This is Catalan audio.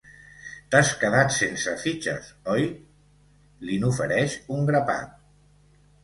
T'has quedat sense fitxes, oi? —li n'ofereix un grapat—.